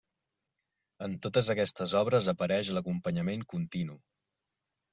En totes aquestes obres apareix l'acompanyament continu.